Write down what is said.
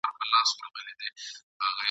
په ګودر کي لنډۍ ژاړي د منګیو جنازې دي ..